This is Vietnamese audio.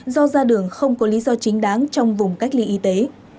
do ra đường không có lý do chính đáng trong vùng cách ly y tế